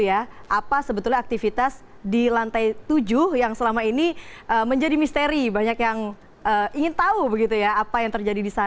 apa sebetulnya aktivitas di lantai tujuh yang selama ini menjadi misteri banyak yang ingin tahu begitu ya apa yang terjadi di sana